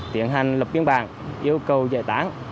tiến hành lập kiến bản yêu cầu giải tán